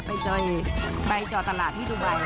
ไปเจอใบจอตลาดที่ดูไบกัน